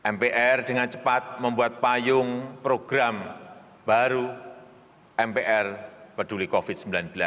mpr dengan cepat membuat payung program baru mpr peduli covid sembilan belas